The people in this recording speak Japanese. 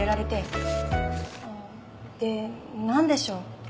でなんでしょう？